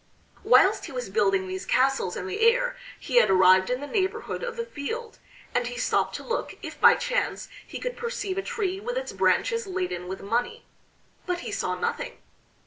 Whilst he was building these castles in the air he had arrived in the neighborhood of the field, and he stopped to look if by chance he could perceive a tree with its branches laden with money; but he saw nothing.